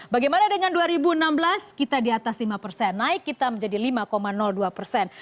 bagaimana dengan dua ribu enam belas kita di atas lima persen naik kita menjadi lima dua persen